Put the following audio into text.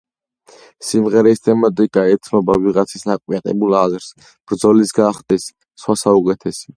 სიმღერის თემატიკა ეთმობა ვიღაცის აკვიატებულ აზრს, ბრძოლით გახდეს სხვაზე უკეთესი.